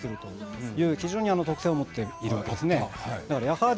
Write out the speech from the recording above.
そういう特性を持っているわけですね。